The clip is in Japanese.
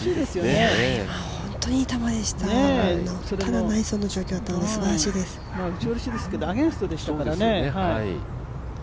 今本当にいい球でした、ただナイスな状況、すばらしいです打ち下ろしですけど、アゲンストでしたから。